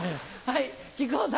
はい。